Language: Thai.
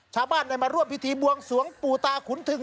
ชาวบ้านได้มาร่วมพิธีบวงสวงปู่ตาขุนทึง